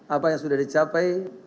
apa yang sudah dicapai